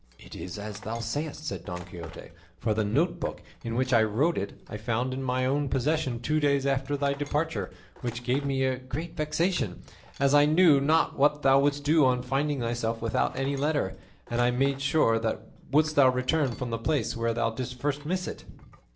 "It is as thou sayest," said Don Quixote, "for the note book in which I wrote it I found in my own possession two days after thy departure, which gave me very great vexation, as I knew not what thou wouldst do on finding thyself without any letter; and I made sure thou wouldst return from the place where thou didst first miss it."